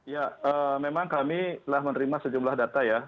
ya memang kami telah menerima sejumlah data ya